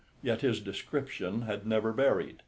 Yet his description had never varied.